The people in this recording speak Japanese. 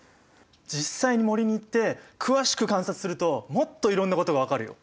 実際に森に行って詳しく観察するともっといろんなことが分かるよ。